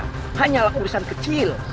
untuk mencari kursi kecil